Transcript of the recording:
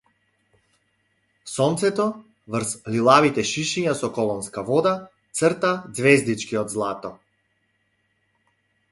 Сонцето врз лилавите шишиња со колонска вода црта ѕвездички од злато.